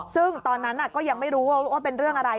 ซึ่งตอนนั้นก็ยังไม่รู้ว่าเป็นเรื่องอะไร